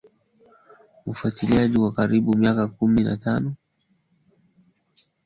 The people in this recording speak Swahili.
kufuatia uasi wa karibu miaka kumi unaofanywa na wapiganaji wa kiislamu